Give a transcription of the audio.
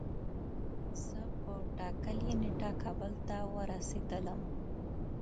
زه په ټاکلی نیټه کابل ته ورسیدلم